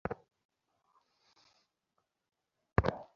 শুধু আল্লাহ-আল্লাহ করতে জানেন, আর কিছু জানেন?